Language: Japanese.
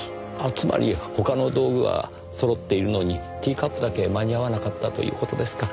つまり他の道具は揃っているのにティーカップだけ間に合わなかったという事ですか？